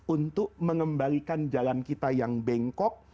untuk mengembalikan jalan kita yang bengkok